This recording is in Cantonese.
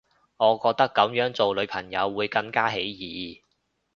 我覺得噉樣做女朋友會更加起疑